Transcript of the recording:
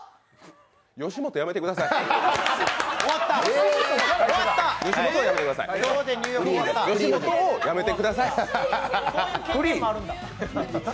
吉本をやめてください。